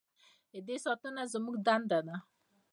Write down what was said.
د دې ساتنه زموږ دنده ده